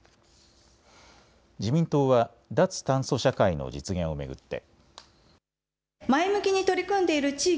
自民党は脱炭素社会の実現を巡って。